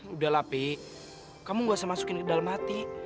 udahlah pi kamu nggak usah masukin ke dalam hati